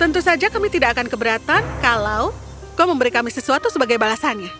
tentu saja kami tidak akan keberatan kalau kau memberi kami sesuatu sebagai balasannya